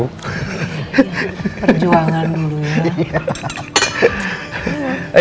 perjuangan dulu ya